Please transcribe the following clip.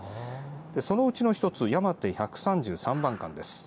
そのうちの１つ山手１３３番館です。